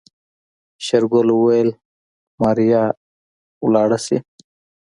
شېرګل وويل ماريا لاړه شي.